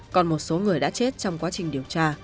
còn một số người đã chết trong quá trình điều tra